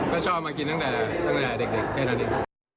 ก็ชอบมากินตั้งแต่เด็กแค่นั้นเอง